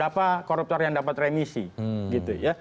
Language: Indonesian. berapa koruptor yang dapat remisi gitu ya